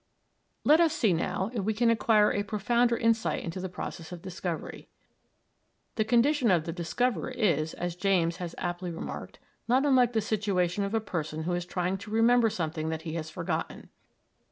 Let us see, now, if we can acquire a profounder insight into the process of discovery. The condition of the discoverer is, as James has aptly remarked, not unlike the situation of a person who is trying to remember something that he has forgotten.